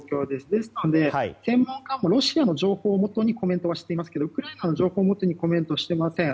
ですので、専門家もロシアの情報をもとにコメントはしていますけどもウクライナの情報をもとにコメントしていません。